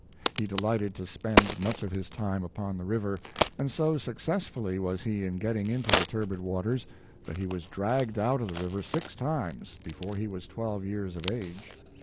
" He delighted to spend much of his time upon the river, and so successfully was he in getting into the turbid waters, that he was dragged out of the river six times before he was twelve years of age.